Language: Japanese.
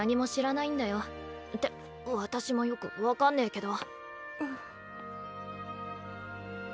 って私もよく分かんねけど。